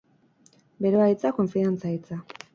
Beroa hitza, konfidantza hitza.